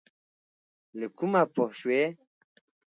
له کومه پوه شوې؟